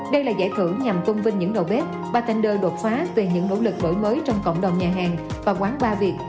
đây là giải thưởng nhằm tôn vinh những đầu bếp bartender đột phá về những nỗ lực nổi mới trong cộng đồng nhà hàng và quán bar việt